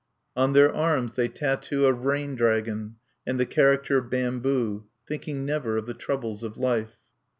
_ "On their arms they tattoo a Raindragon, and the character 'Bamboo' thinking never of the troubles of life....